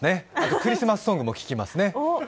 「クリスマスソング」も聴きますね。